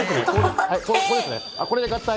これで合体。